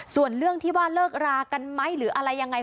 ส่วนเรื่องที่ว่าเลิกรากันไหมหรืออะไรยังไง